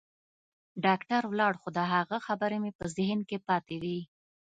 ډاکتر ولاړ خو د هغه خبرې مې په ذهن کښې پاتې وې.